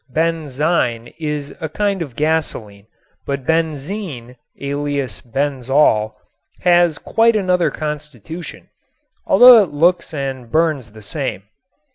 "Benzine" is a kind of gasoline, but benzene alias benzol has quite another constitution, although it looks and burns the same.